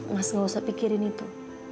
mas gak usah pikirin itu